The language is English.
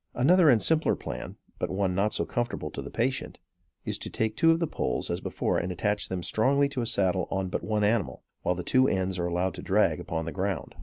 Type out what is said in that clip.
Another and simpler plan, but one not so comfortable to the patient, is to take the two poles as before and attach them strongly to a saddle on but one animal, while the two ends are allowed to drag upon the ground.